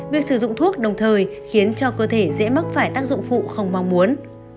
việc sử dụng thuốc đồng thời khiến cho cơ thể dễ mắc phải tác dụng phụ không mong muốn